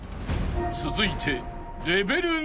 ［続いて］